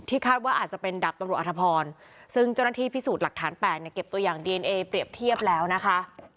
คาดว่าอาจจะเป็นดับตำรวจอธพรซึ่งเจ้าหน้าที่พิสูจน์หลักฐาน๘เนี่ยเก็บตัวอย่างดีเอนเอเปรียบเทียบแล้วนะคะ